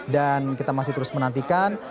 dan kita masih terus menantikan